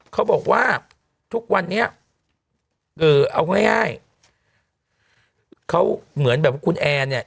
เค้าบอกว่าทุกวันนี้เอาง่ายเค้าเหมือนแบบคุณแอร์เนี่ย